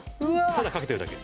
ただかけてるだけ。